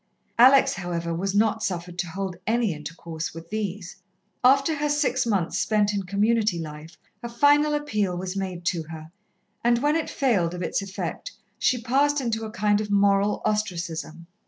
Alex, however, was not suffered to hold any intercourse with these. After her six months spent in Community life a final appeal was made to her, and when it failed of its effect she passed into a kind of moral ostracism.